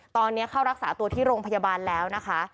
ตอนนี้เข้ารักษาตัวที่โรงพยาบาลแล้วนะคะ